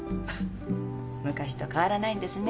昔と変わらないんですね